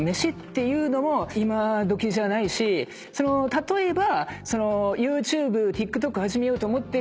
例えば。